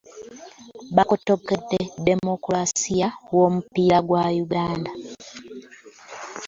Bakotogedde demokulasiya womupiira gwa Uganda.